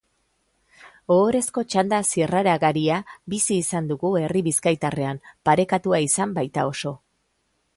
Ohorezko txanda zirragararia bizi izan dugu herri bizkaitarrean, parekatua izan baita oso.